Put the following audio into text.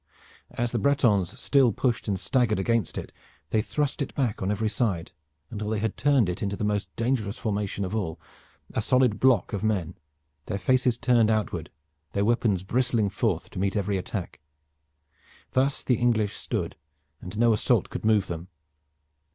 As the Bretons still pushed and staggered against it they thrust it back on every side, until they had turned it into the most dangerous formation of all, a solid block of men, their faces turned outward, their weapons bristling forth to meet every attack. Thus the English stood, and no assault could move them.